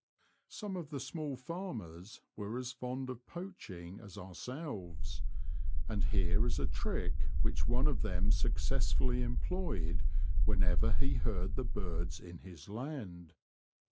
Some of the small farmers were as fond of poaching as ourselves, and here is a trick which one of them successfully employed whenever he heard the birds in his land.